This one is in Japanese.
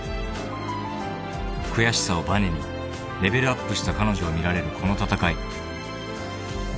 ［悔しさをばねにレベルアップした彼女を見られるこの戦い］